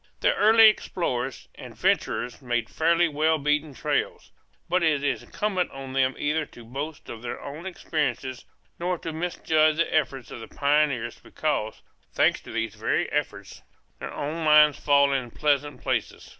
The early explorers and adventurers make fairly well beaten trails; but it is incumbent on them neither to boast of their own experiences nor to misjudge the efforts of the pioneers because, thanks to these very efforts, their own lines fall in pleasant places.